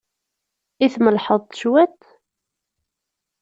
I tmellḥeḍ-t cwiṭ?